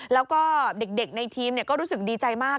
แล้วก็เด็กในทีมก็รู้สึกดีใจมาก